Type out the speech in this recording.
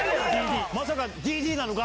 まさかＤＤなのか？